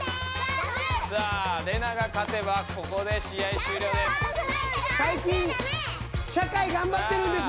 さあレナが勝てばここで試合終了です。